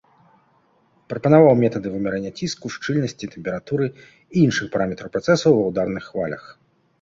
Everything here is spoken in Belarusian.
Прапанаваў метады вымярэння ціску, шчыльнасці, тэмпературы і іншых параметраў працэсаў ва ўдарных хвалях.